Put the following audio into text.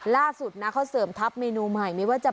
ล่าสุดเขาเสริมทัพเมนูใหม่